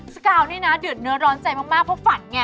สกาวนี่นะเดือดเนื้อร้อนใจมากเพราะฝันไง